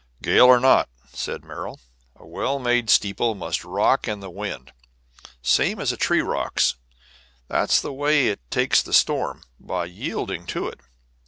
"Gale or not," said Merrill, "a well made steeple must rock in the wind, the same as a tree rocks. That is the way it takes the storm, by yielding to it.